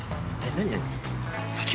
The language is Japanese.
何？